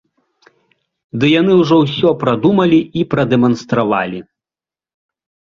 Ды яны ўжо ўсё прадумалі і прадэманстравалі.